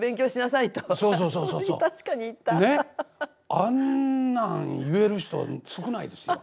あんなん言える人少ないですよ。